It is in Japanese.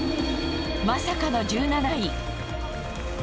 まさかの１７位。